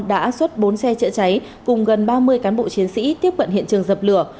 đã xuất bốn xe chữa cháy cùng gần ba mươi cán bộ chiến sĩ tiếp cận hiện trường dập lửa